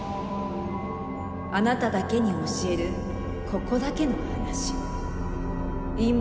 あなただけに教えるここだけの話。